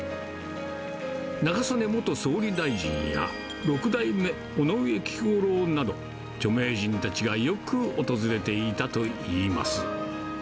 中曽根元総理大臣や、六代目尾上菊五郎など、著名人たちがよく訪れていたといいます。